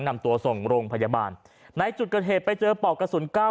นำตัวส่งโรงพยาบาลในจุดเกิดเหตุไปเจอปอกกระสุนเก้า